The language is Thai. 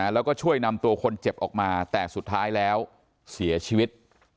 แล้วก็ช่วยนำตัวคนเจ็บออกมาแต่สุดท้ายแล้วเสียชีวิต